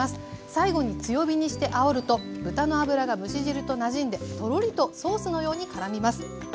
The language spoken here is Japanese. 最後に強火にしてあおると豚の脂が蒸し汁となじんでとろりとソースのようにからみます。